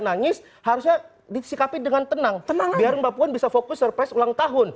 nangis harusnya disikapi dengan tenang tenang biar mbak puan bisa fokus surprise ulang tahun